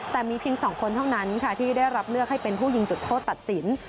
แต่มีเพียง๒คนเท่านั้นค่ะที่ได้รับเลือกให้เป็นผู้ยิงจุดโทษตัดสิน